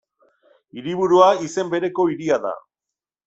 Hiriburua izen bereko hiria da.